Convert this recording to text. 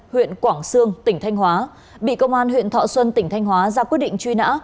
huyện quảng sương tỉnh thanh hóa bị công an huyện thọ xuân tỉnh thanh hóa ra quyết định truy nã